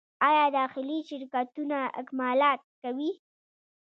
آیا داخلي شرکتونه اکمالات کوي؟